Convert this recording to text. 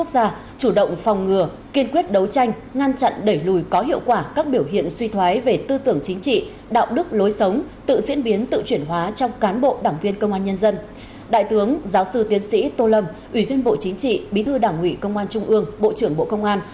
giữa hội thảo có các đồng chí trong đảng ủy công an trung ương lãnh đạo bộ công an